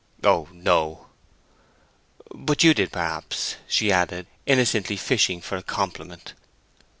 "Oh no." "But you did, perhaps," she added, innocently fishing for a compliment.